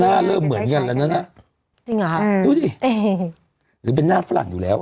เริ่มเหมือนกันแล้วนะจริงเหรอฮะดูดิหรือเป็นหน้าฝรั่งอยู่แล้ว